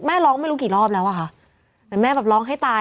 ร้องไม่รู้กี่รอบแล้วอะค่ะแต่แม่แบบร้องให้ตาย